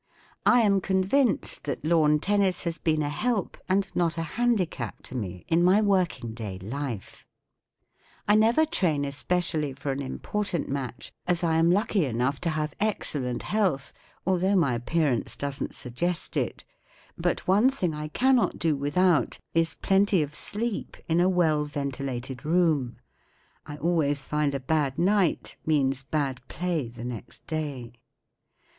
I am convinced that lawn tennis has been a help and not a handicap to me in my working day life, I never train especially for an important match, as I am lucky enough to have excellent health, although my appearance doesn't suggest it ; but one thing 1 cannot do without is plenty of sleepUNu £FwbTltvQiTOrataaI' JtVrai* I always 3 2 THE STRAND MAGAZINE ( find a bad night means bad play the next day.